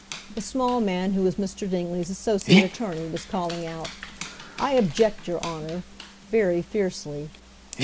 The small man who was Mr. Dingley's associate attorney was calling out, "I object, your Honor," very fiercely.